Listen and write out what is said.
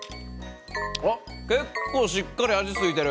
結構しっかり味ついてる。